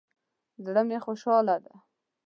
زړه می خوشحاله ده